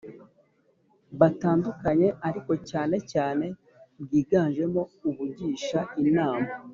butandukanye, ariko cyane cyane bwiganjemo ubugisha inama